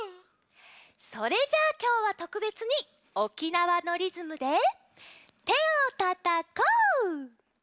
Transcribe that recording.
それじゃあきょうはとくべつに沖縄のリズムで「てをたたこ」。